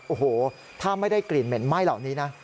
โอ้โหถ้าไม่ได้กลิ่นเหม็นไหม้เหล่านี้นะ